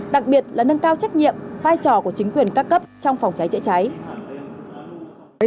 đặc biệt là nâng cao trách nhiệm vai trò của chính quyền các cấp trong phòng cháy chữa cháy